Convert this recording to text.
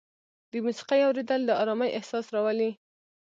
د موسیقۍ اورېدل د ارامۍ احساس راولي.